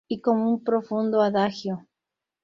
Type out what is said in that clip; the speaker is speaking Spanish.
Y con un profundo adagio.